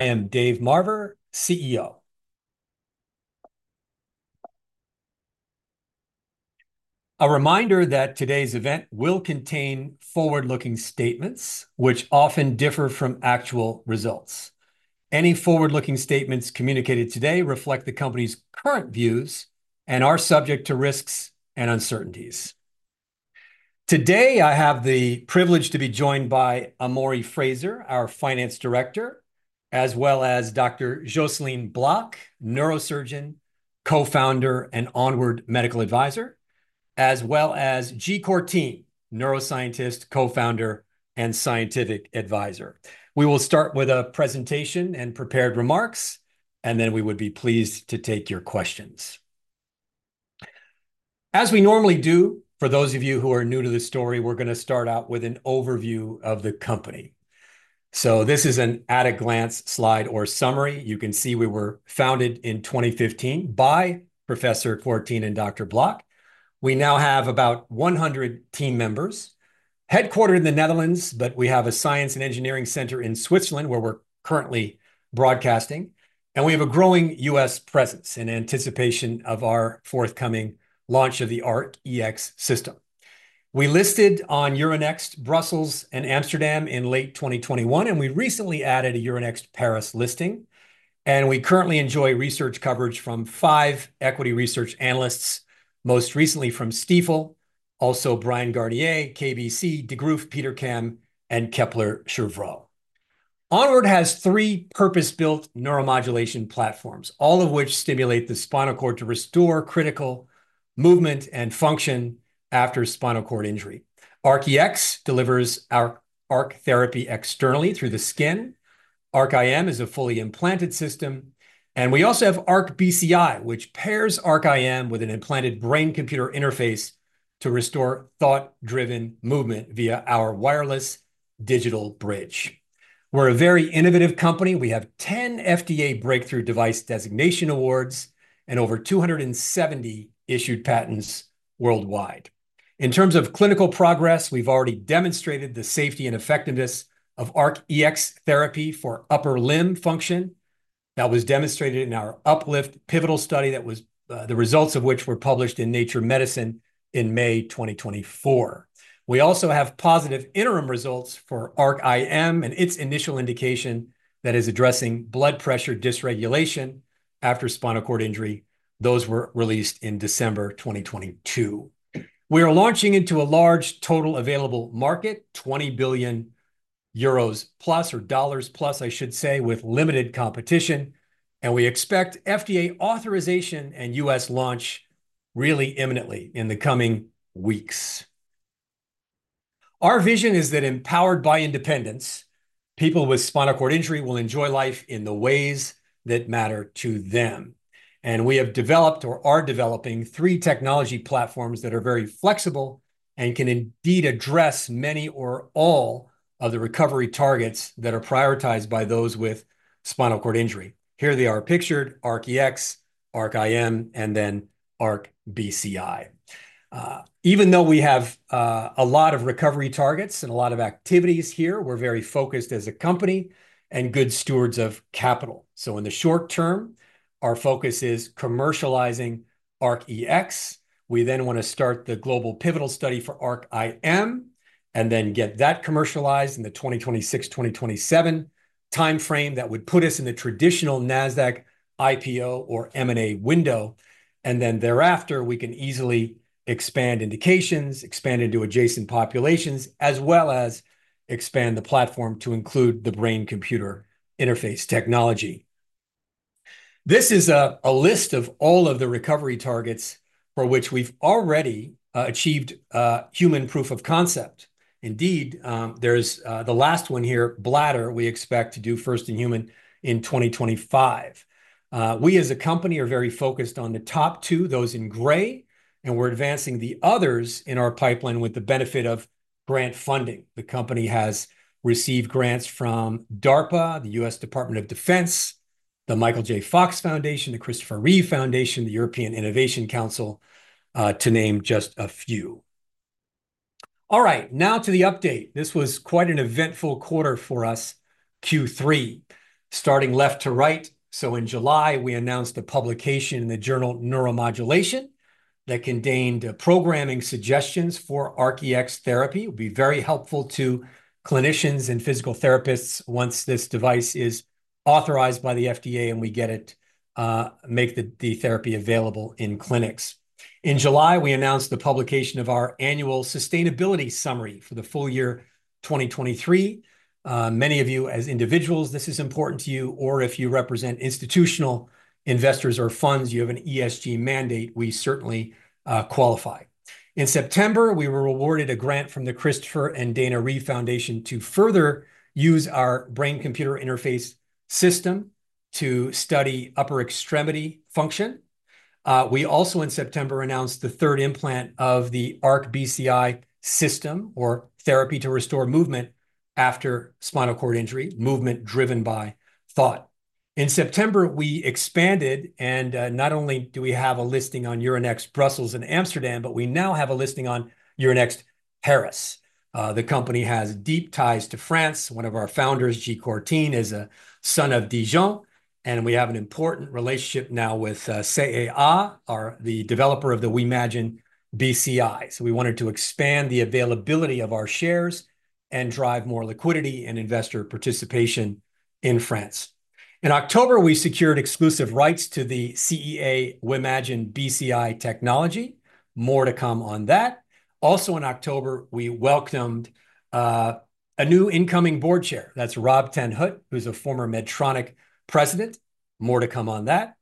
I am Dave Marver, CEO. A reminder that today's event will contain forward-looking statements, which often differ from actual results. Any forward-looking statements communicated today reflect the company's current views and are subject to risks and uncertainties. Today, I have the privilege to be joined by Amori Fraser, our Finance Director, as well as Dr. Jocelyne Bloch, Neurosurgeon, Co-founder and Onward Medical Advisor, as well as G. Courtine, Neuroscientist, Co-founder and Scientific Advisor. We will start with a presentation and prepared remarks, and then we would be pleased to take your questions. As we normally do, for those of you who are new to the story, we're going to start out with an overview of the company. So this is an at-a-glance slide or summary. You can see we were founded in 2015 by Professor Courtine, and Dr. Bloch. We now have about 100 team members, headquartered in the Netherlands, but we have a Science and Engineering Center in Switzerland where we're currently broadcasting, and we have a growing U.S. presence in anticipation of our forthcoming launch of the ARC-EX system. We listed on Euronext Brussels and Amsterdam in late 2021, and we recently added a Euronext Paris listing, and we currently enjoy research coverage from five equity research analysts, most recently from Stifel, also Bryan Garnier, KBC, Degroof Petercam, and Kepler Cheuvreux. Onward has three purpose-built neuromodulation platforms, all of which stimulate the spinal cord to restore critical movement and function after spinal cord injury. ARC-EX delivers our ARC therapy externally through the skin. ARC-IM is a fully implanted system, and we also have ARC-BCI, which pairs ARC-IM with an implanted brain-computer interface to restore thought-driven movement via our wireless digital bridge. We're a very innovative company. We have 10 FDA Breakthrough Device Designation Awards and over 270 issued patents worldwide. In terms of clinical progress, we've already demonstrated the safety and effectiveness of ARC-EX therapy for upper limb function. That was demonstrated in our Up-LIFT Pivotal study, the results of which were published in Nature Medicine in May 2024. We also have positive interim results for ARC-IM and its initial indication that is addressing blood pressure dysregulation after spinal cord injury. Those were released in December 2022. We are launching into a large total available market, 20 billion euros plus, or $20 billion plus, I should say, with limited competition, and we expect FDA authorization and U.S. launch really imminently in the coming weeks. Our vision is that empowered by independence, people with spinal cord injury will enjoy life in the ways that matter to them. We have developed, or are developing, three technology platforms that are very flexible and can indeed address many or all of the recovery targets that are prioritized by those with spinal cord injury. Here they are pictured: ARC-EX, ARC-IM, and then ARC-BCI. Even though we have a lot of recovery targets and a lot of activities here, we're very focused as a company and good stewards of capital. In the short term, our focus is commercializing ARC-EX. We then want to start the global pivotal study for ARC-IM and then get that commercialized in the 2026-2027 timeframe. That would put us in the traditional Nasdaq IPO or M&A window, and then thereafter we can easily expand indications, expand into adjacent populations, as well as expand the platform to include the brain-computer interface technology. This is a list of all of the recovery targets for which we've already achieved human proof of concept. Indeed, there's the last one here, bladder. We expect to do first in human in 2025. We as a company are very focused on the top two, those in gray, and we're advancing the others in our pipeline with the benefit of grant funding. The company has received grants from DARPA, the U.S. Department of Defense, the Michael J. Fox Foundation, the Christopher Reeve Foundation, the European Innovation Council, to name just a few. All right, now to the update. This was quite an eventful quarter for us, Q3, starting left to right. In July, we announced the publication in the journal Neuromodulation that contained programming suggestions for ARC-EX therapy. It will be very helpful to clinicians and physical therapists once this device is authorized by the FDA and we get it to make the therapy available in clinics. In July, we announced the publication of our annual sustainability summary for the full year 2023. Many of you, as individuals, this is important to you, or if you represent institutional investors or funds, you have an ESG mandate. We certainly qualify. In September, we were awarded a grant from The Christopher and Dana Reeve Foundation to further use our brain-computer interface system to study upper extremity function. We also, in September, announced the third implant of the ARC-BCI system, or therapy to restore movement after spinal cord injury, movement driven by thought. In September, we expanded, and not only do we have a listing on Euronext Brussels and Amsterdam, but we now have a listing on Euronext Paris. The company has deep ties to France. One of our founders, Grégoire Courtine, is a son of Dijon, and we have an important relationship now with CEA, the developer of the WIMAGINE BCI. So we wanted to expand the availability of our shares and drive more liquidity and investor participation in France. In October, we secured exclusive rights to the CEA WIMAGINE BCI technology. More to come on that. Also, in October, we welcomed a new incoming board chair. That's Rob ten Hoedt, who's a former Medtronic president. More to come on that.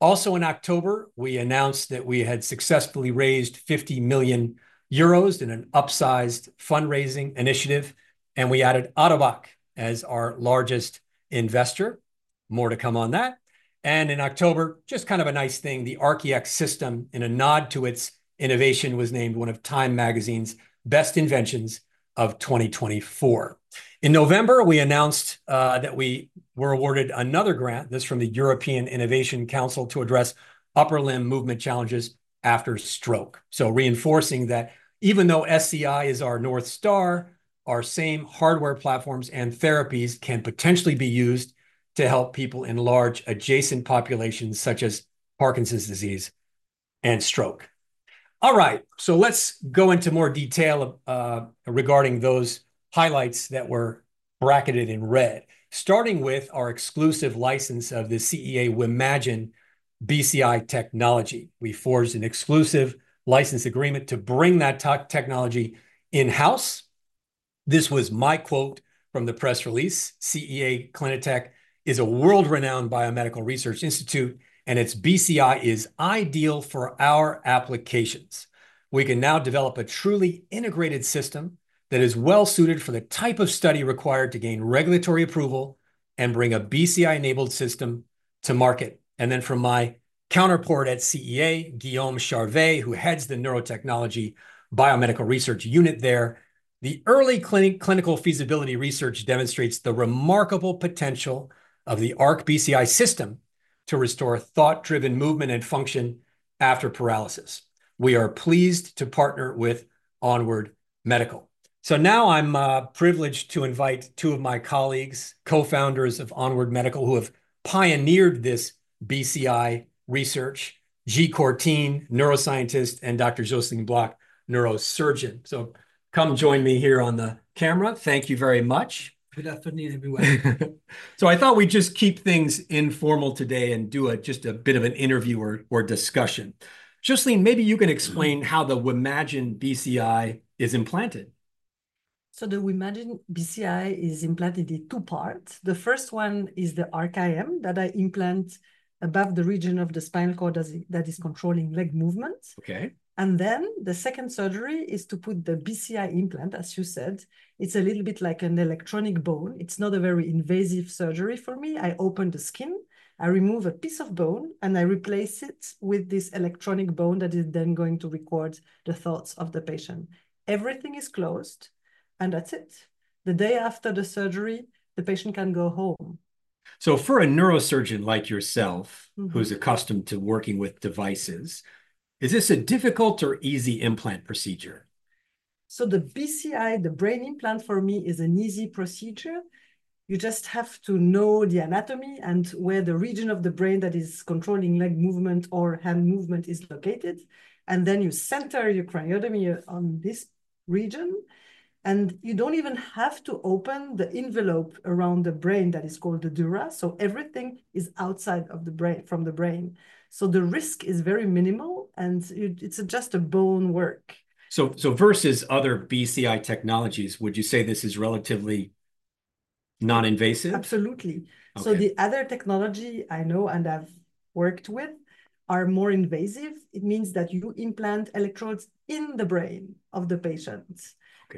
Also, in October, we announced that we had successfully raised 50 million euros in an upsized fundraising initiative, and we added Ottobock as our largest investor. More to come on that. In October, just kind of a nice thing, the ARC-EX system, in a nod to its innovation, was named one of Time Magazine's best inventions of 2024. In November, we announced that we were awarded another grant, this from the European Innovation Council, to address upper limb movement challenges after stroke, so reinforcing that even though SCI is our North Star, our same hardware platforms and therapies can potentially be used to help people in large adjacent populations, such as Parkinson's disease and stroke. All right, so let's go into more detail regarding those highlights that were bracketed in red. Starting with our exclusive license of the CEA WIMAGINE BCI technology. We forged an exclusive license agreement to bring that technology in-house. This was my quote from the press release. CEA-Clinatec is a world-renowned biomedical research institute, and its BCI is ideal for our applications. We can now develop a truly integrated system that is well-suited for the type of study required to gain regulatory approval and bring a BCI-enabled system to market, and then from my counterpart at CEA, Guillaume Charvet, who heads the neurotechnology biomedical research unit there, the early clinical feasibility research demonstrates the remarkable potential of the ARC-BCI system to restore thought-driven movement and function after paralysis. We are pleased to partner with Onward Medical, so now I'm privileged to invite two of my colleagues, co-founders of Onward Medical, who have pioneered this BCI research, Grégoire Courtine, neuroscientist, and Dr. Jocelyne Bloch, neurosurgeon, so come join me here on the camera. Thank you very much. Good afternoon, everyone. So I thought we'd just keep things informal today and do just a bit of an interview or discussion. Jocelyne, maybe you can explain how the WIMAGINE BCI is implanted. The WIMAGINE BCI is implanted in two parts. The first one is the ARC-IM that I implant above the region of the spinal cord that is controlling leg movement. Then the second surgery is to put the BCI implant, as you said. It's a little bit like an electronic bone. It's not a very invasive surgery for me. I open the skin, I remove a piece of bone, and I replace it with this electronic bone that is then going to record the thoughts of the patient. Everything is closed, and that's it. The day after the surgery, the patient can go home. So for a neurosurgeon like yourself, who's accustomed to working with devices, is this a difficult or easy implant procedure? The BCI, the brain implant for me, is an easy procedure. You just have to know the anatomy and where the region of the brain that is controlling leg movement or hand movement is located. Then you center your craniotomy on this region, and you don't even have to open the envelope around the brain that is called the dura. Everything is outside of the brain from the brain. The risk is very minimal, and it's just a bone work. So versus other BCI technologies, would you say this is relatively non-invasive? Absolutely, so the other technology I know and have worked with are more invasive. It means that you implant electrodes in the brain of the patient,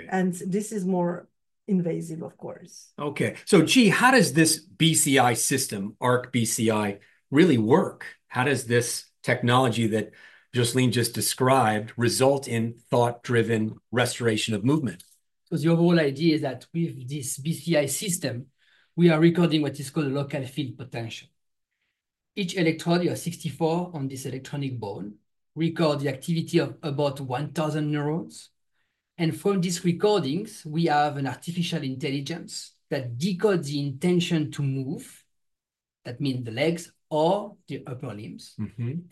and this is more invasive, of course. Okay. So, G, how does this BCI system, ARC-BCI, really work? How does this technology that Jocelyne just described result in thought-driven restoration of movement? So the overall idea is that with this BCI system, we are recording what is called local field potential. Each electrode, you have 64 on this electrode array, records the activity of about 1,000 neurons. And from these recordings, we have an artificial intelligence that decodes the intention to move, that means the legs or the upper limbs,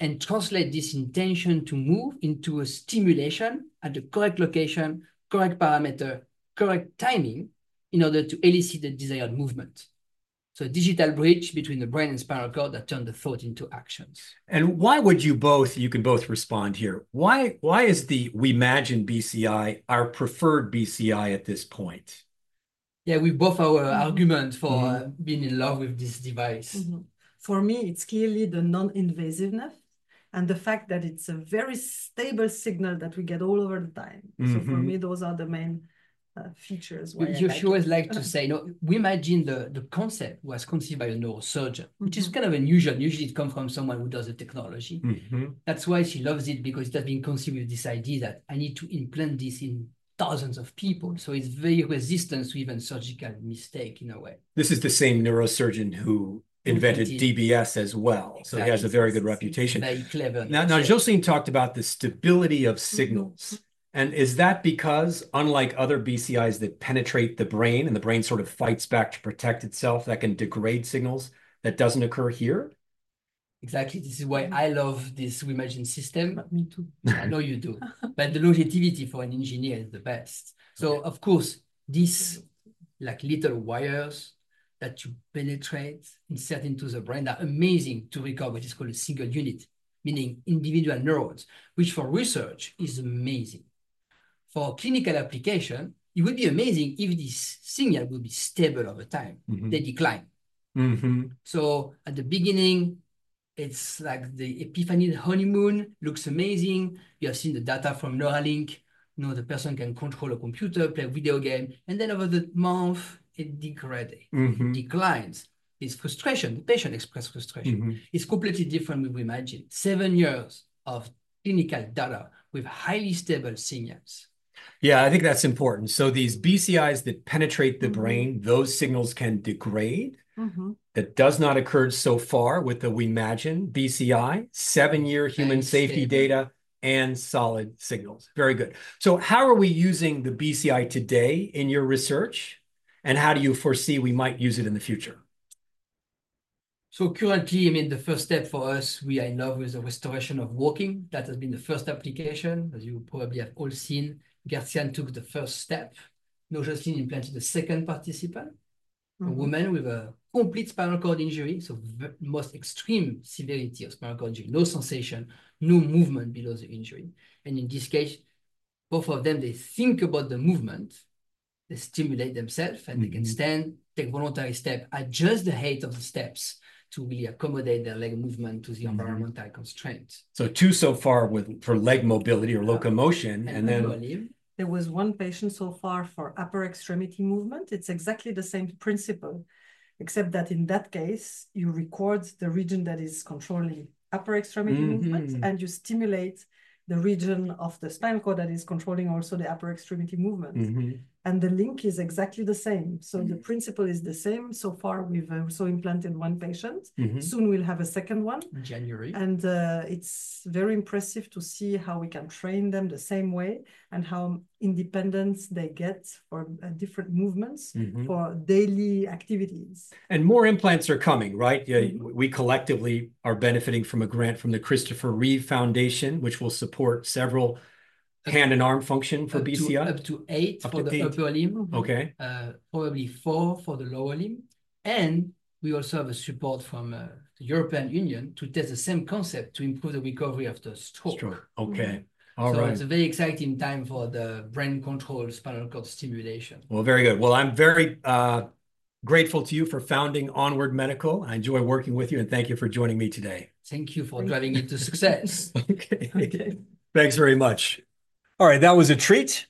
and translates this intention to move into a stimulation at the correct location, correct parameter, correct timing in order to elicit the desired movement. So a digital bridge between the brain and spinal cord that turns the thought into actions. And why would you both, you can both respond here, why is the WIMAGINE BCI our preferred BCI at this point? Yeah, we both have our argument for being in love with this device. For me, it's clearly the non-invasiveness and the fact that it's a very stable signal that we get all of the time. So for me, those are the main features. You always like to say, you know, WIMAGINE, the concept was conceived by a neurosurgeon, which is kind of unusual. Usually, it comes from someone who does the technology. That's why she loves it, because it has been conceived with this idea that I need to implant this in thousands of people. So it's very resistant to even surgical mistake in a way. This is the same neurosurgeon who invented DBS as well. So he has a very good reputation. Very clever. Now, Jocelyne talked about the stability of signals. Is that because, unlike other BCIs that penetrate the brain and the brain sort of fights back to protect itself, that can degrade signals? That doesn't occur here? Exactly. This is why I love this WIMAGINE system. I know you do, but the longevity for an engineer is the best, so of course, these little wires that you penetrate and insert into the brain are amazing to recover what is called a single unit, meaning individual neurons, which for research is amazing. For clinical application, it would be amazing if this signal would be stable over time. They decline, so at the beginning, it's like the epiphany of the honeymoon. Looks amazing. You have seen the data from Neuralink. The person can control a computer, play a video game, and then over the month, it degrades, declines. It's frustration. The patient expresses frustration. It's completely different with WIMAGINE. Seven years of clinical data with highly stable signals. Yeah, I think that's important. So these BCIs that penetrate the brain, those signals can degrade. That does not occur so far with the WIMAGINE BCI, seven-year human safety data and solid signals. Very good. So how are we using the BCI today in your research? And how do you foresee we might use it in the future? So currently, I mean, the first step for us, we are in love with the restoration of walking. That has been the first application, as you probably have all seen. Gert-Jan took the first step. Jocelyne implanted the second participant, a woman with a complete spinal cord injury, so most extreme severity of spinal cord injury, no sensation, no movement below the injury. And in this case, both of them, they think about the movement, they stimulate themselves, and they can stand, take voluntary steps, adjust the height of the steps to really accommodate their leg movement to the environmental constraints. Two so far for leg mobility or locomotion. There was one patient so far for upper extremity movement. It's exactly the same principle, except that in that case, you record the region that is controlling upper extremity movement, and you stimulate the region of the spinal cord that is controlling also the upper extremity movement. And the link is exactly the same. So the principle is the same so far. We've also implanted one patient. Soon we'll have a second one. And it's very impressive to see how we can train them the same way and how independent they get for different movements for daily activities. More implants are coming, right? We collectively are benefiting from a grant from the Christopher Reeve Foundation, which will support several hand and arm function for BCI. Up to eight for the upper limb, probably four for the lower limb, and we also have support from the European Union to test the same concept to improve the recovery after stroke. Stroke. Okay. All right. It's a very exciting time for the brain-controlled spinal cord stimulation. Very good. I'm very grateful to you for founding Onward Medical. I enjoy working with you, and thank you for joining me today. Thank you for driving it to success. Thanks very much. All right, that was a treat.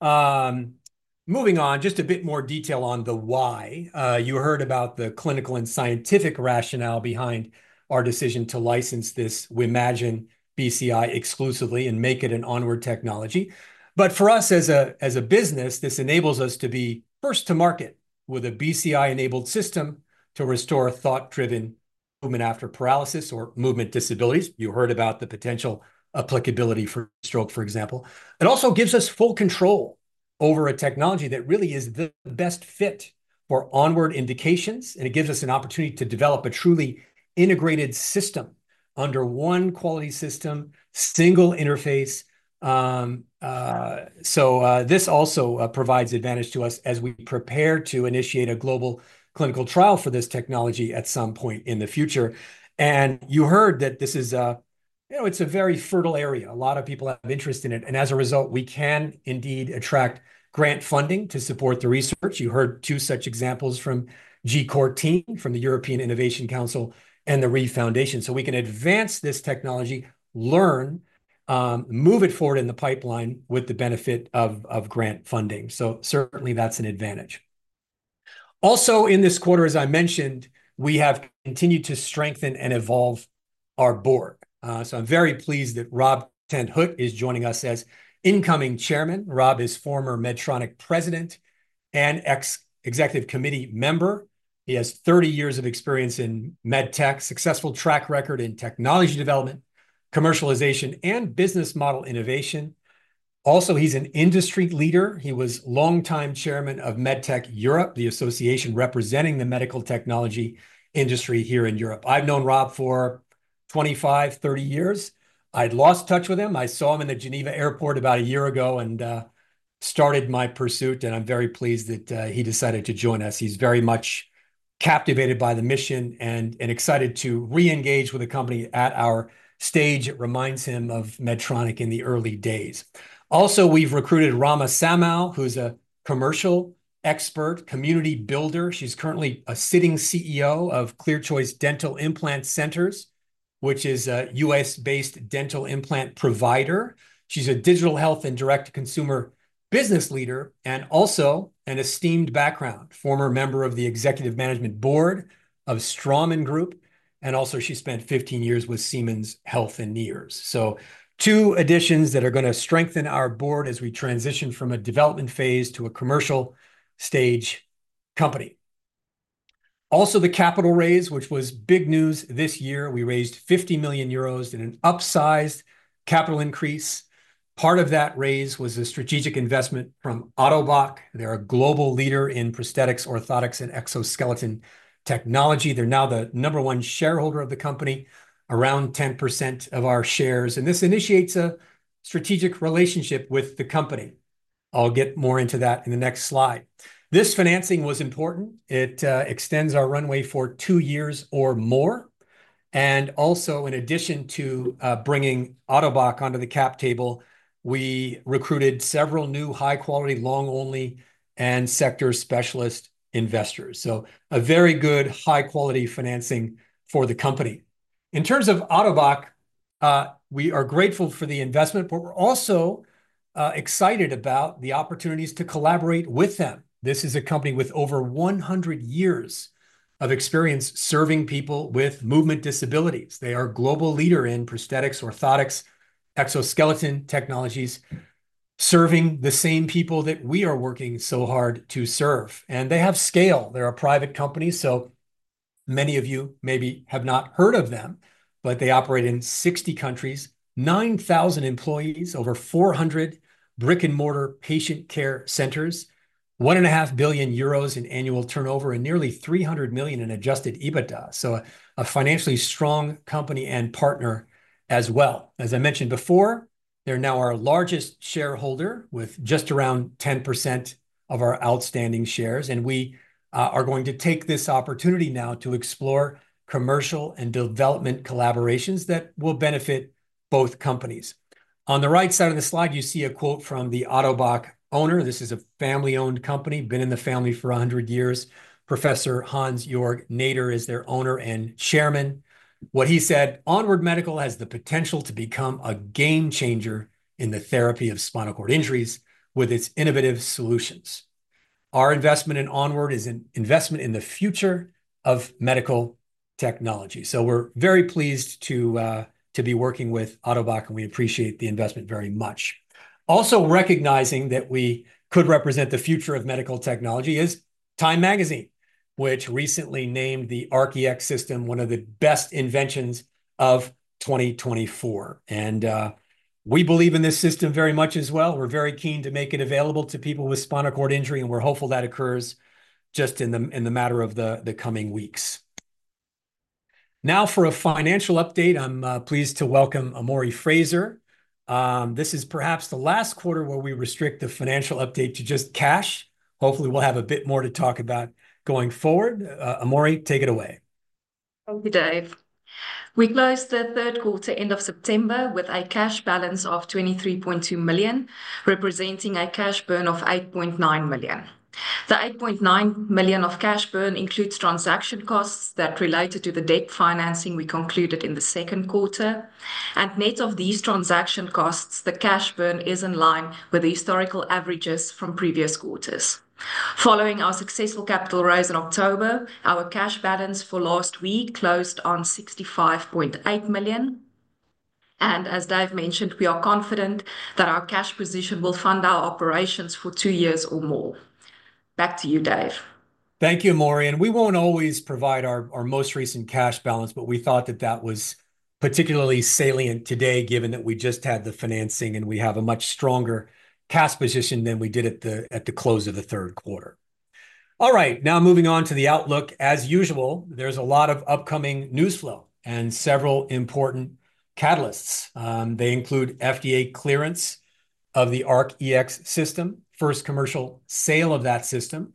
Moving on, just a bit more detail on the why. You heard about the clinical and scientific rationale behind our decision to license this WIMAGINE BCI exclusively and make it an Onward technology, but for us as a business, this enables us to be first to market with a BCI-enabled system to restore thought-driven movement after paralysis or movement disabilities. You heard about the potential applicability for stroke, for example. It also gives us full control over a technology that really is the best fit for Onward indications, and it gives us an opportunity to develop a truly integrated system under one quality system, single interface, so this also provides advantage to us as we prepare to initiate a global clinical trial for this technology at some point in the future. You heard that this is, you know, it's a very fertile area. A lot of people have interest in it. As a result, we can indeed attract grant funding to support the research. You heard two such examples from Grégoire Courtine, from the European Innovation Council, and the Reeve Foundation. We can advance this technology, learn, move it forward in the pipeline with the benefit of grant funding. Certainly that's an advantage. Also, in this quarter, as I mentioned, we have continued to strengthen and evolve our board. I'm very pleased that Rob ten Hoedt is joining us as incoming chairman. Rob is former Medtronic president and executive committee member. He has 30 years of experience in med tech, successful track record in technology development, commercialization, and business model innovation. Also, he's an industry leader. He was longtime chairman of MedTech Europe, the association representing the medical technology industry here in Europe. I've known Rob for 25, 30 years. I'd lost touch with him. I saw him in the Geneva airport about a year ago and started my pursuit, and I'm very pleased that he decided to join us. He's very much captivated by the mission and excited to re-engage with the company at our stage. It reminds him of Medtronic in the early days. Also, we've recruited Rahma Samow, who's a commercial expert, community builder. She's currently a sitting CEO of ClearChoice Dental Implant Centers, which is a U.S.-based dental implant provider. She's a digital health and direct-to-consumer business leader and also an esteemed background, former member of the executive management board of Straumann Group, and also she spent 15 years with Siemens Healthineers. Two additions that are going to strengthen our board as we transition from a development phase to a commercial stage company. Also, the capital raise, which was big news this year. We raised 50 million euros in an upsized capital increase. Part of that raise was a strategic investment from Ottobock. They are a global leader in prosthetics, orthotics, and exoskeleton technology. They are now the number one shareholder of the company, around 10% of our shares. This initiates a strategic relationship with the company. I will get more into that in the next slide. This financing was important. It extends our runway for two years or more. Also, in addition to bringing Ottobock onto the cap table, we recruited several new high-quality long-only and sector specialist investors. A very good high-quality financing for the company. In terms of Ottobock, we are grateful for the investment, but we're also excited about the opportunities to collaborate with them. This is a company with over 100 years of experience serving people with movement disabilities. They are a global leader in prosthetics, orthotics, exoskeleton technologies, serving the same people that we are working so hard to serve. And they have scale. They're a private company. So many of you maybe have not heard of them, but they operate in 60 countries, 9,000 employees, over 400 brick-and-mortar patient care centers, 1.5 billion euros in annual turnover, and nearly 300 million in adjusted EBITDA. So a financially strong company and partner as well. As I mentioned before, they're now our largest shareholder with just around 10% of our outstanding shares. And we are going to take this opportunity now to explore commercial and development collaborations that will benefit both companies. On the right side of the slide, you see a quote from the Ottobock owner. This is a family-owned company, been in the family for 100 years. Professor Hans Georg Näder is their owner and chairman. What he said, "Onward Medical has the potential to become a game changer in the therapy of spinal cord injuries with its innovative solutions. Our investment in Onward is an investment in the future of medical technology." So we're very pleased to be working with Ottobock, and we appreciate the investment very much. Also recognizing that we could represent the future of medical technology is Time Magazine, which recently named the ARC-EX system one of the best inventions of 2024. And we believe in this system very much as well. We're very keen to make it available to people with spinal cord injury, and we're hopeful that occurs just in the matter of the coming weeks. Now, for a financial update, I'm pleased to welcome Amori Fraser. This is perhaps the last quarter where we restrict the financial update to just cash. Hopefully, we'll have a bit more to talk about going forward. Amori, take it away. Thank you, Dave. We closed the third quarter end of September with a cash balance of 23.2 million, representing a cash burn of 8.9 million. The 8.9 million of cash burn includes transaction costs that related to the debt financing we concluded in the second quarter, and net of these transaction costs, the cash burn is in line with the historical averages from previous quarters. Following our successful capital raise in October, our cash balance for last week closed on 65.8 million, and as Dave mentioned, we are confident that our cash position will fund our operations for two years or more. Back to you, Dave. Thank you, Amori. And we won't always provide our most recent cash balance, but we thought that that was particularly salient today, given that we just had the financing and we have a much stronger cash position than we did at the close of the third quarter. All right, now moving on to the outlook. As usual, there's a lot of upcoming news flow and several important catalysts. They include FDA clearance of the ARC-EX system, first commercial sale of that system.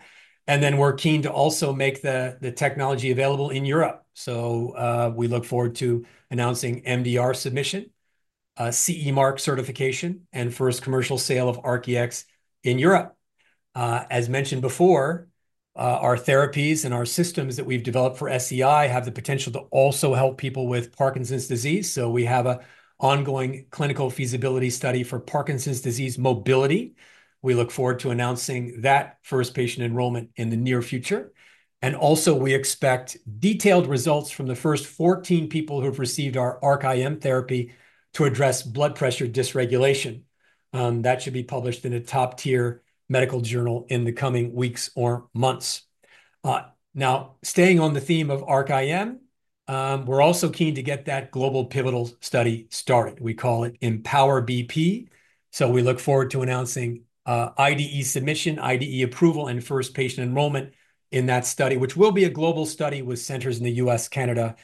And then we're keen to also make the technology available in Europe. So we look forward to announcing MDR submission, CE Mark certification, and first commercial sale of ARC-EX in Europe. As mentioned before, our therapies and our systems that we've developed for SCI have the potential to also help people with Parkinson's disease. So we have an ongoing clinical feasibility study for Parkinson's disease mobility. We look forward to announcing that first patient enrollment in the near future, and also we expect detailed results from the first 14 people who have received our ARC-IM therapy to address blood pressure dysregulation. That should be published in a top-tier medical journal in the coming weeks or months. Now, staying on the theme of ARC-IM, we're also keen to get that global pivotal study started. We call it EmpowerBP, so we look forward to announcing IDE submission, IDE approval, and first patient enrollment in that study, which will be a global study with centers in the U.S., Canada,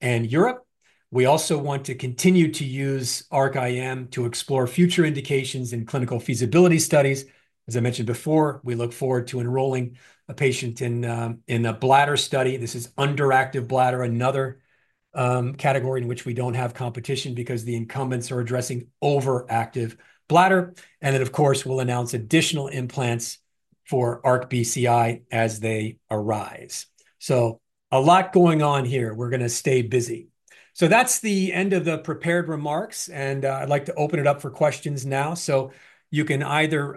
and Europe. We also want to continue to use ARC-IM to explore future indications in clinical feasibility studies. As I mentioned before, we look forward to enrolling a patient in a bladder study. This is underactive bladder, another category in which we don't have competition because the incumbents are addressing overactive bladder. And then, of course, we'll announce additional implants for ARC-BCI as they arise. So a lot going on here. We're going to stay busy. So that's the end of the prepared remarks. And I'd like to open it up for questions now. So you can either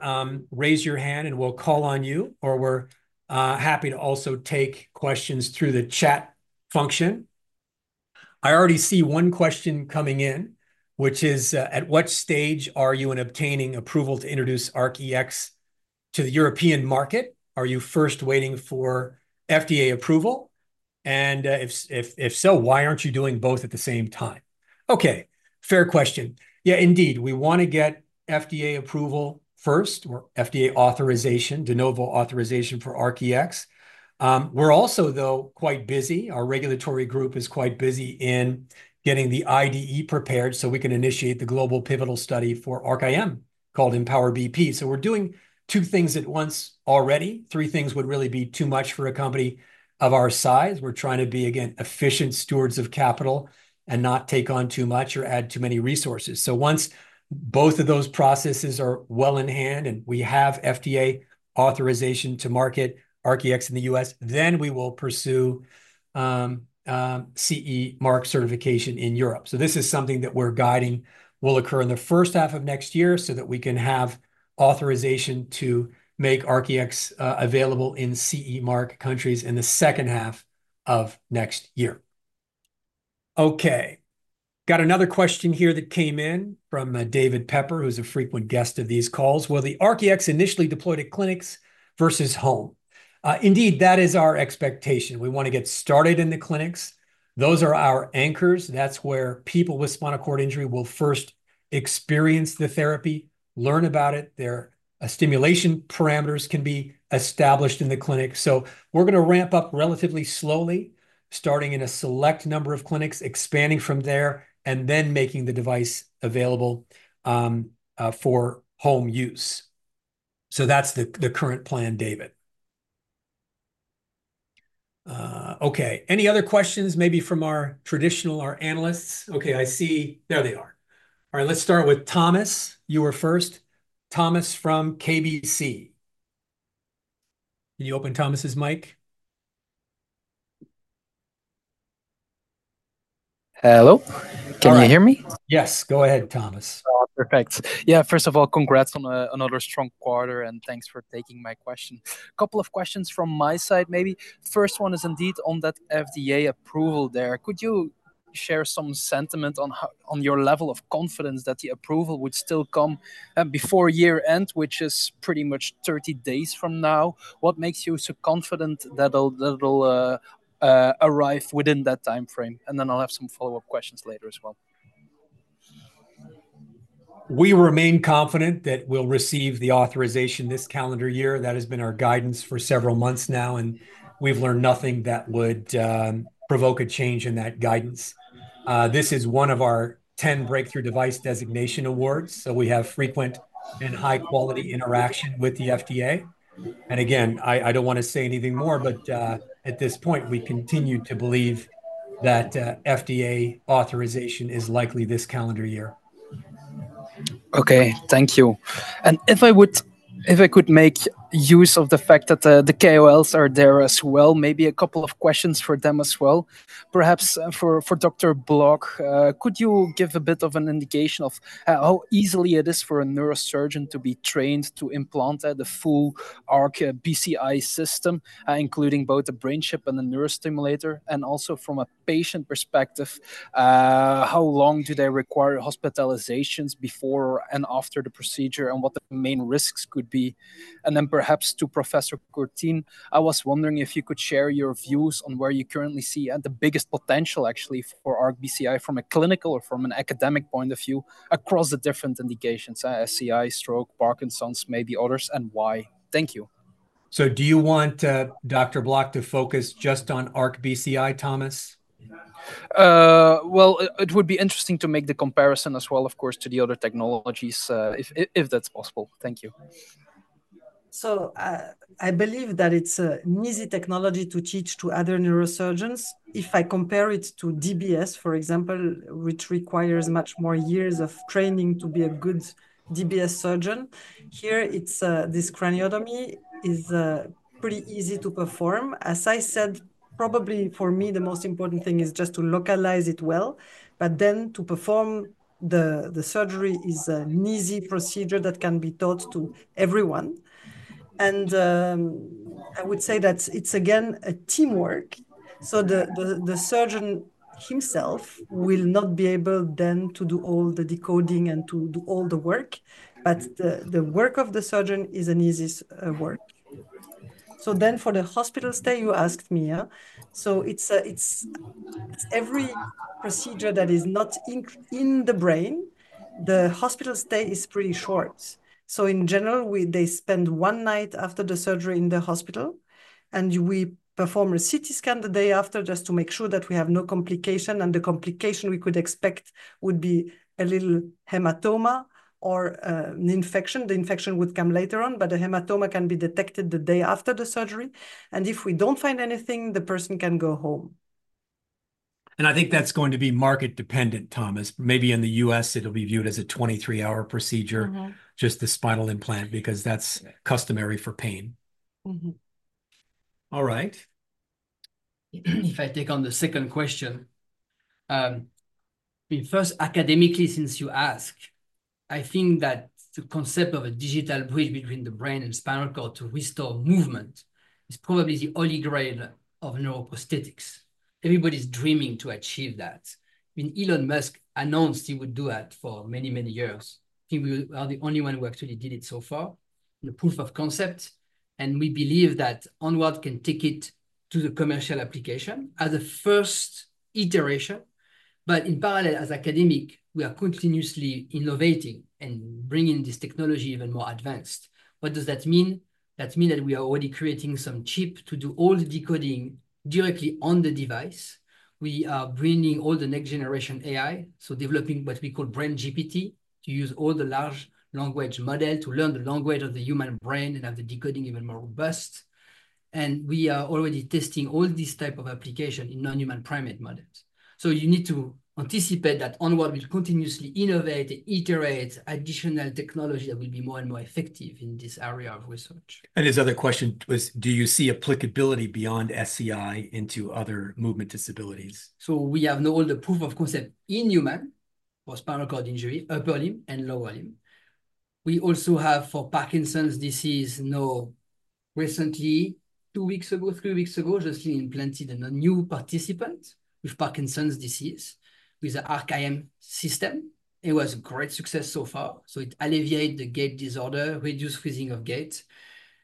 raise your hand and we'll call on you, or we're happy to also take questions through the chat function. I already see one question coming in, which is, "At what stage are you in obtaining approval to introduce ARC-EX to the European market? Are you first waiting for FDA approval? And if so, why aren't you doing both at the same time?" Okay, fair question. Yeah, indeed. We want to get FDA approval first or FDA authorization, De Novo authorization for ARC-EX. We're also, though, quite busy. Our regulatory group is quite busy in getting the IDE prepared so we can initiate the global pivotal study for ARC-IM called EmpowerBP. So we're doing two things at once already. Three things would really be too much for a company of our size. We're trying to be, again, efficient stewards of capital and not take on too much or add too many resources. So once both of those processes are well in hand and we have FDA authorization to market ARC-EX in the U.S., then we will pursue CE Mark certification in Europe. So this is something that we're guiding will occur in the first half of next year so that we can have authorization to make ARC-EX available in CE Mark countries in the second half of next year. Okay, got another question here that came in from David Pepper, who's a frequent guest of these calls. "Will the ARC-EX initially deploy to clinics versus home?" Indeed, that is our expectation. We want to get started in the clinics. Those are our anchors. That's where people with spinal cord injury will first experience the therapy, learn about it. Their stimulation parameters can be established in the clinic. So we're going to ramp up relatively slowly, starting in a select number of clinics, expanding from there, and then making the device available for home use. So that's the current plan, David. Okay, any other questions maybe from our traditional, our analysts? Okay, I see there they are. All right, let's start with Thomas. You were first, Thomas from KBC. Can you open Thomas's mic? Hello, can you hear me? Yes, go ahead, Thomas. Perfect. Yeah, first of all, congrats on another strong quarter, and thanks for taking my question. A couple of questions from my side maybe. First one is indeed on that FDA approval there. Could you share some sentiment on your level of confidence that the approval would still come before year-end, which is pretty much 30 days from now? What makes you so confident that it'll arrive within that timeframe? And then I'll have some follow-up questions later as well. We remain confident that we'll receive the authorization this calendar year. That has been our guidance for several months now, and we've learned nothing that would provoke a change in that guidance. This is one of our 10 Breakthrough Device Designation awards. So we have frequent and high-quality interaction with the FDA. And again, I don't want to say anything more, but at this point, we continue to believe that FDA authorization is likely this calendar year. Okay, thank you. And if I could make use of the fact that the KOLs are there as well, maybe a couple of questions for them as well. Perhaps for Dr. Bloch, could you give a bit of an indication of how easily it is for a neurosurgeon to be trained to implant the full ARC-BCI system, including both a brain chip and a neurostimulator? And also from a patient perspective, how long do they require hospitalizations before and after the procedure, and what the main risks could be? And then perhaps to Professor Courtine, I was wondering if you could share your views on where you currently see the biggest potential actually for ARC-BCI from a clinical or from an academic point of view across the different indications: SCI, stroke, Parkinson's, maybe others, and why? Thank you. So do you want Dr. Bloch to focus just on ARC-BCI, Thomas? It would be interesting to make the comparison as well, of course, to the other technologies if that's possible. Thank you. I believe that it's an easy technology to teach to other neurosurgeons. If I compare it to DBS, for example, which requires much more years of training to be a good DBS surgeon, here, this craniotomy is pretty easy to perform. As I said, probably for me, the most important thing is just to localize it well. To perform the surgery is an easy procedure that can be taught to everyone. I would say that it's, again, a teamwork. The surgeon himself will not be able then to do all the decoding and to do all the work. The work of the surgeon is an easy work. For the hospital stay, you asked me, so it's every procedure that is not in the brain, the hospital stay is pretty short. In general, they spend one night after the surgery in the hospital, and we perform a CT scan the day after just to make sure that we have no complication. The complication we could expect would be a little hematoma or an infection. The infection would come later on, but the hematoma can be detected the day after the surgery. If we don't find anything, the person can go home. I think that's going to be market-dependent, Thomas. Maybe in the U.S., it'll be viewed as a 23-hour procedure, just the spinal implant, because that's customary for pain. All right. If I take on the second question, first, academically, since you asked, I think that the concept of a digital bridge between the brain and spinal cord to restore movement is probably the holy grail of neuroprosthetics. Everybody's dreaming to achieve that. I mean, Elon Musk announced he would do that for many, many years. I think we are the only one who actually did it so far, the proof of concept, and we believe that Onward can take it to the commercial application as a first iteration, but in parallel, as academic, we are continuously innovating and bringing this technology even more advanced. What does that mean? That means that we are already creating some chip to do all the decoding directly on the device. We are bringing all the next-generation AI, so developing what we call BrainGPT to use all the large language models to learn the language of the human brain and have the decoding even more robust, and we are already testing all these types of applications in non-human primate models, so you need to anticipate that Onward will continuously innovate and iterate additional technology that will be more and more effective in this area of research. His other question was, do you see applicability beyond SCI into other movement disabilities? So we have all the proof of concept in human for spinal cord injury, upper limb and lower limb. We also have for Parkinson's disease now, recently, two weeks ago, three weeks ago, just implanted a new participant with Parkinson's disease with the ARC-IM system. It was a great success so far. So it alleviates the gait disorder, reduces freezing of gait.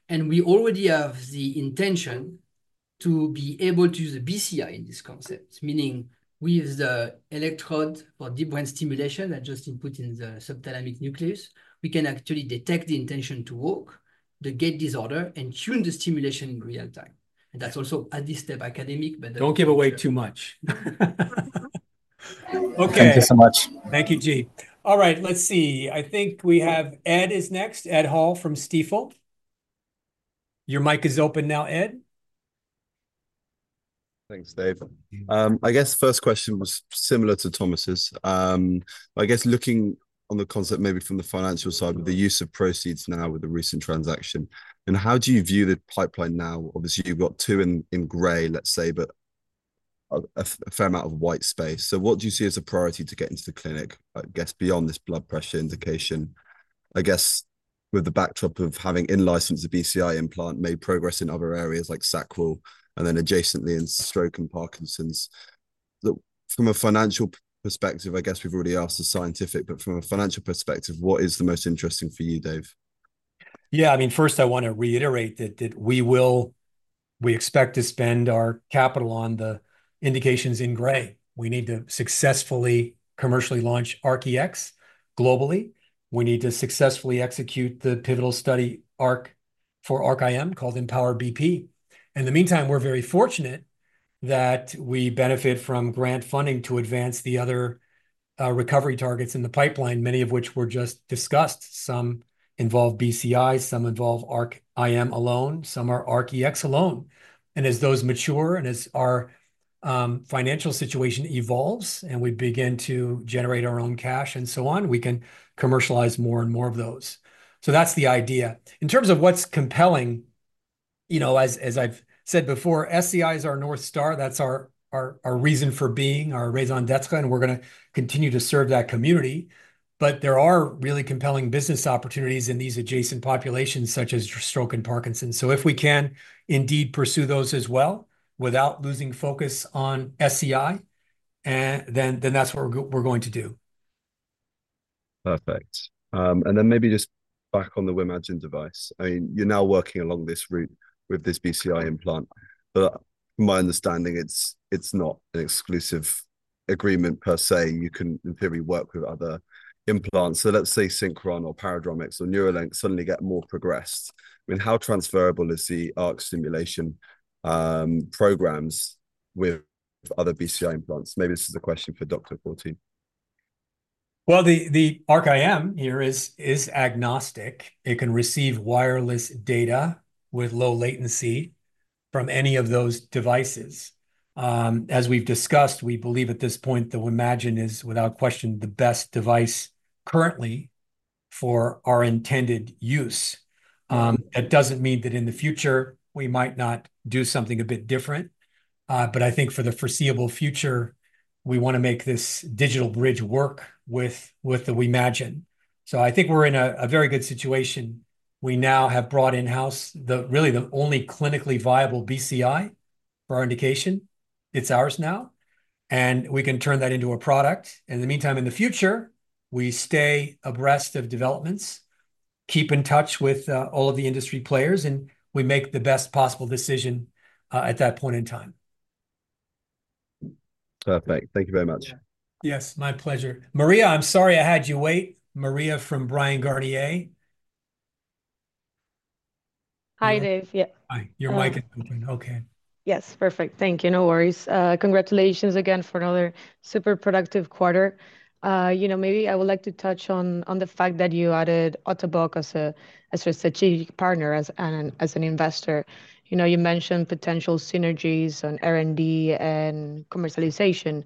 And we already have the intention to be able to use the BCI in this concept, meaning with the electrode for deep brain stimulation that's just input in the subthalamic nucleus, we can actually detect the intention to walk, the gait disorder, and tune the stimulation in real time. And that's also at this step academic, but. Don't give away too much. Okay. Thank you so much. Thank you, G. All right, let's see. I think we have Ed is next, Ed Hall from Stifel. Your mic is open now, Ed. Thanks, Dave. I guess the first question was similar to Thomas's. I guess looking on the concept maybe from the financial side with the use of proceeds now with the recent transaction, how do you view the pipeline now? Obviously, you've got two in gray, let's say, but a fair amount of white space. So what do you see as a priority to get into the clinic, I guess, beyond this blood pressure indication? I guess with the backdrop of having in-license a BCI implant, made progress in other areas like SCI and then adjacently in stroke and Parkinson's. From a financial perspective, I guess we've already asked the scientific, but from a financial perspective, what is the most interesting for you, Dave? Yeah, I mean, first, I want to reiterate that we expect to spend our capital on the indications in gray. We need to successfully commercially launch ARC-EX globally. We need to successfully execute the pivotal study for ARC-IM called EmpowerBP. In the meantime, we're very fortunate that we benefit from grant funding to advance the other recovery targets in the pipeline, many of which were just discussed. Some involve BCI, some involve ARC-IM alone, some are ARC-EX alone. And as those mature and as our financial situation evolves and we begin to generate our own cash and so on, we can commercialize more and more of those. So that's the idea. In terms of what's compelling, you know, as I've said before, SCI is our North Star. That's our reason for being, our raison d'être, and we're going to continue to serve that community. But there are really compelling business opportunities in these adjacent populations, such as stroke and Parkinson's. So if we can indeed pursue those as well without losing focus on SCI, then that's what we're going to do. Perfect. And then maybe just back on the WIMAGINE device. I mean, you're now working along this route with this BCI implant. But from my understanding, it's not an exclusive agreement per se. You can, in theory, work with other implants. So let's say Synchron or Paradromics or Neuralink suddenly get more progressed. I mean, how transferable is the ARC stimulation programs with other BCI implants? Maybe this is a question for Dr. Courtine. The ARC-IM here is agnostic. It can receive wireless data with low latency from any of those devices. As we've discussed, we believe at this point the WIMAGINE is, without question, the best device currently for our intended use. That doesn't mean that in the future we might not do something a bit different, but I think for the foreseeable future, we want to make this digital bridge work with the WIMAGINE, so I think we're in a very good situation. We now have brought in-house really the only clinically viable BCI for our indication. It's ours now, and we can turn that into a product. In the meantime, in the future, we stay abreast of developments, keep in touch with all of the industry players, and we make the best possible decision at that point in time. Perfect. Thank you very much. Yes, my pleasure. Maria, I'm sorry I had you wait. Maria from Bryan Garnier. Hi, Dave. Yeah. Hi. Your mic is open. Okay. Yes, perfect. Thank you. No worries. Congratulations again for another super productive quarter. You know, maybe I would like to touch on the fact that you added Ottobock as a strategic partner and as an investor. You mentioned potential synergies on R&D and commercialization.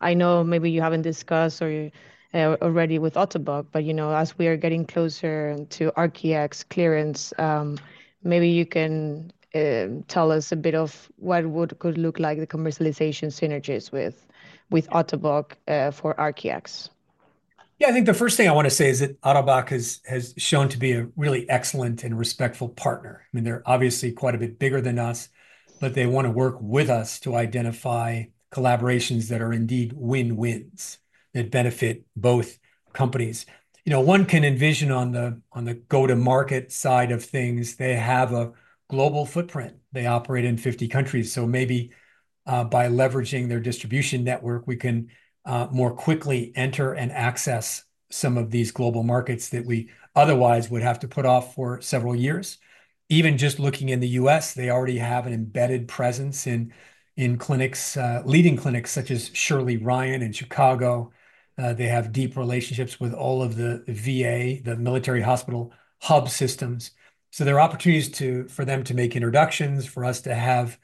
I know maybe you haven't discussed already with Ottobock, but you know, as we are getting closer to ARC-EX clearance, maybe you can tell us a bit of what could look like the commercialization synergies with Ottobock for ARC-EX. Yeah, I think the first thing I want to say is that Ottobock has shown to be a really excellent and respectful partner. I mean, they're obviously quite a bit bigger than us, but they want to work with us to identify collaborations that are indeed win-wins that benefit both companies. You know, one can envision on the go-to-market side of things, they have a global footprint. They operate in 50 countries. So maybe by leveraging their distribution network, we can more quickly enter and access some of these global markets that we otherwise would have to put off for several years. Even just looking in the U.S., they already have an embedded presence in leading clinics such as Shirley Ryan in Chicago. They have deep relationships with all of the VA, the military hospital hub systems. There are opportunities for them to make introductions, for us to have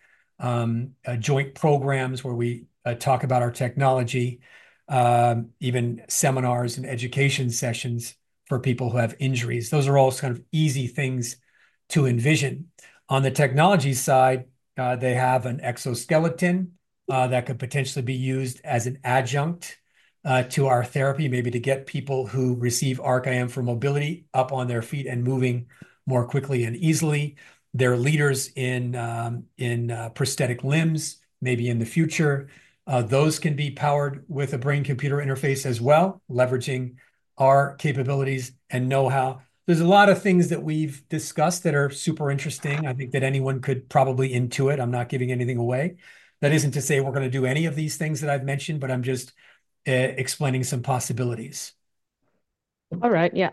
joint programs where we talk about our technology, even seminars and education sessions for people who have injuries. Those are all kind of easy things to envision. On the technology side, they have an exoskeleton that could potentially be used as an adjunct to our therapy, maybe to get people who receive ARC-IM for mobility up on their feet and moving more quickly and easily. They're leaders in prosthetic limbs, maybe in the future. Those can be powered with a brain-computer interface as well, leveraging our capabilities and know-how. There's a lot of things that we've discussed that are super interesting. I think that anyone could probably intuit. I'm not giving anything away. That isn't to say we're going to do any of these things that I've mentioned, but I'm just explaining some possibilities. All right. Yeah,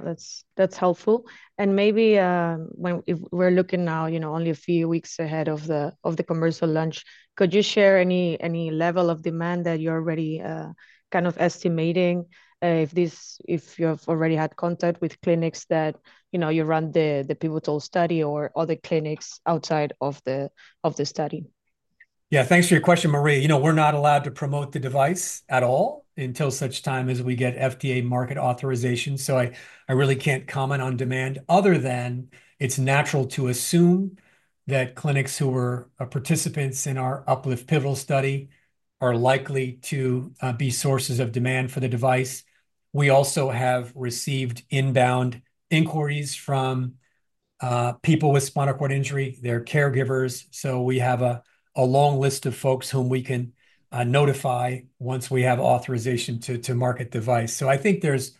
that's helpful. And maybe when we're looking now, you know, only a few weeks ahead of the commercial launch, could you share any level of demand that you're already kind of estimating if you've already had contact with clinics that you run the pivotal study or other clinics outside of the study? Yeah, thanks for your question, Maria. You know, we're not allowed to promote the device at all until such time as we get FDA market authorization. So I really can't comment on demand other than it's natural to assume that clinics who were participants in our Up-LIFT Pivotal study are likely to be sources of demand for the device. We also have received inbound inquiries from people with spinal cord injury, their caregivers. So we have a long list of folks whom we can notify once we have authorization to market the device. So I think there's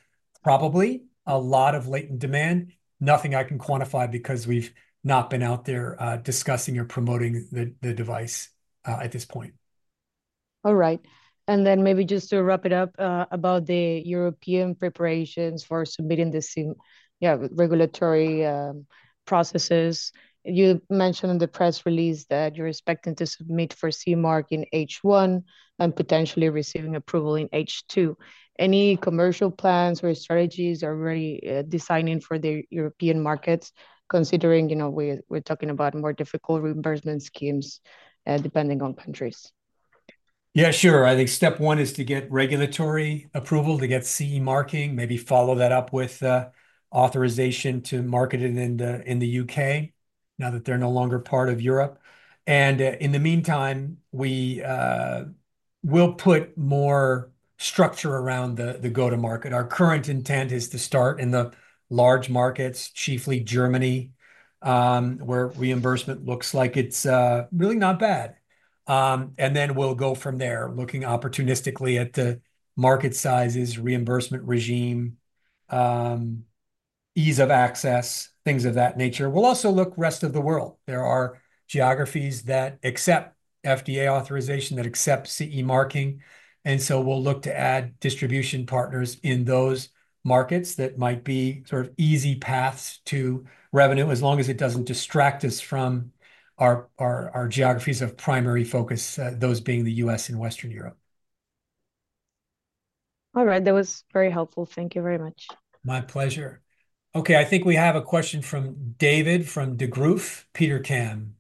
probably a lot of latent demand, nothing I can quantify because we've not been out there discussing or promoting the device at this point. All right. And then maybe just to wrap it up about the European preparations for submitting the regulatory processes. You mentioned in the press release that you're expecting to submit for CE Mark in H1 and potentially receiving approval in H2. Any commercial plans or strategies are already designing for the European markets, considering we're talking about more difficult reimbursement schemes depending on countries? Yeah, sure. I think step one is to get regulatory approval to get CE marking, maybe follow that up with authorization to market it in the U.K. now that they're no longer part of Europe. And in the meantime, we will put more structure around the go-to-market. Our current intent is to start in the large markets, chiefly Germany, where reimbursement looks like it's really not bad. And then we'll go from there, looking opportunistically at the market sizes, reimbursement regime, ease of access, things of that nature. We'll also look at the rest of the world. There are geographies that accept FDA authorization, that accept CE marking. And so we'll look to add distribution partners in those markets that might be sort of easy paths to revenue as long as it doesn't distract us from our geographies of primary focus, those being the U.S. and Western Europe. All right. That was very helpful. Thank you very much. My pleasure. Okay, I think we have a question from David from Degroof Petercam.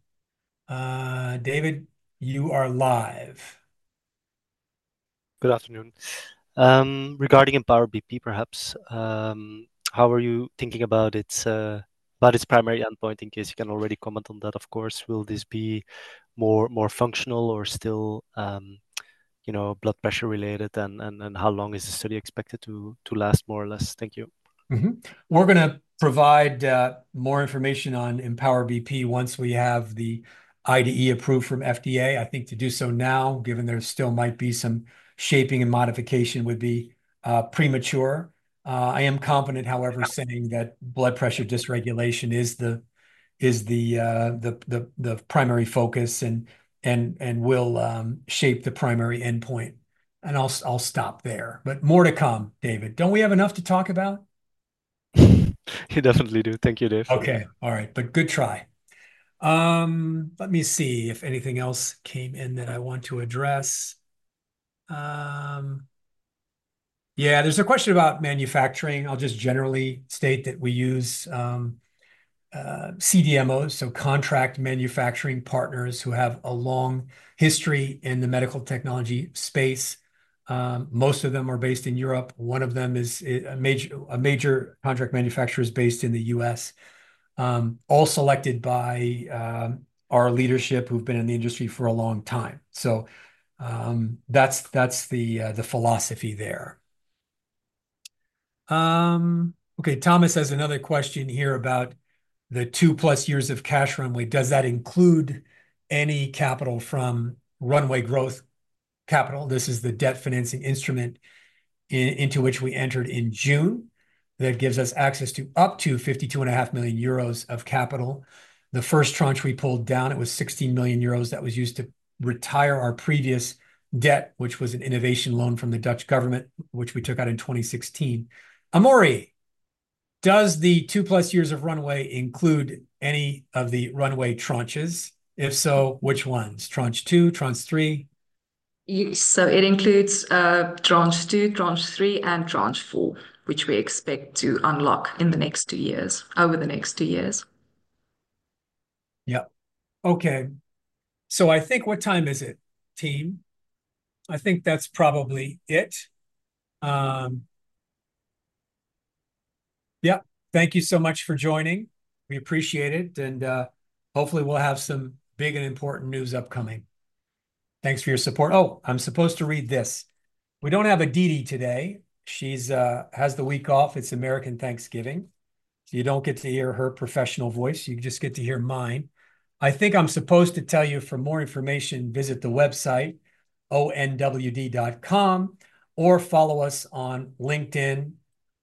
David, you are live. Good afternoon. Regarding EmpowerBP, perhaps, how are you thinking about its primary endpoint in case you can already comment on that? Of course, will this be more functional or still blood pressure related? And how long is the study expected to last, more or less? Thank you. We're going to provide more information on EmpowerBP once we have the IDE approved from FDA. I think to do so now, given there still might be some shaping and modification, would be premature. I am confident, however, saying that blood pressure dysregulation is the primary focus and will shape the primary endpoint. And I'll stop there. But more to come, David. Don't we have enough to talk about? I definitely do. Thank you, Dave. Okay. All right. But good try. Let me see if anything else came in that I want to address. Yeah, there's a question about manufacturing. I'll just generally state that we use CDMOs, so contract manufacturing partners who have a long history in the medical technology space. Most of them are based in Europe. One of them is a major contract manufacturer is based in the US, all selected by our leadership who've been in the industry for a long time. So that's the philosophy there. Okay, Thomas has another question here about the two-plus years of cash runway. Does that include any capital from Runway Growth Capital? This is the debt financing instrument into which we entered in June that gives us access to up to €52.5 million of capital. The first tranche we pulled down, it was 16 million euros that was used to retire our previous debt, which was an innovation loan from the Dutch government, which we took out in 2016. Amori, does the two-plus years of runway include any of the runway tranches? If so, which ones? Tranche two, tranche three? So it includes tranche two, tranche three, and tranche four, which we expect to unlock in the next two years, over the next two years. Yeah. Okay. So I think what time is it, team? I think that's probably it. Yeah. Thank you so much for joining. We appreciate it, and hopefully we'll have some big and important news upcoming. Thanks for your support. Oh, I'm supposed to read this. We don't have Aditi today. She has the week off. It's American Thanksgiving. So you don't get to hear her professional voice. You just get to hear mine. I think I'm supposed to tell you for more information, visit the website, onwd.com, or follow us on LinkedIn,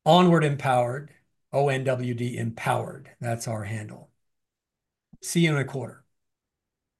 Onward Empowered, ONWD Empowered. That's our handle. See you in a quarter.